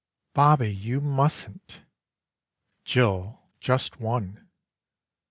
"Bobbie, you mustn't." "Jill just one."